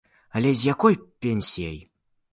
Але з якой пенсіяй?